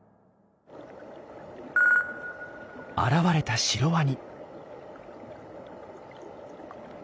現れたシロワニ。